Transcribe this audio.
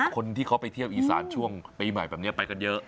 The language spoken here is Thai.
คนที่เขาไปเที่ยวอีสานช่วงปีใหม่แบบนี้ไปกันเยอะ